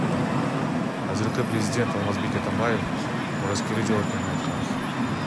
Азыркы президент Алмазбек Атамбаев мураскери жок экенин айткан.